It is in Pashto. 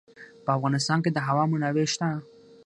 په افغانستان کې د هوا منابع شته.